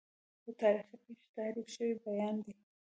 د تاریخي پیښو تحریف شوی بیان دی.